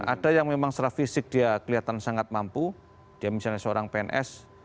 ada yang memang secara fisik dia kelihatan sangat mampu dia misalnya seorang pns